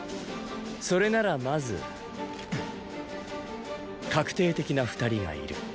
それならまず確定的な二人がいる。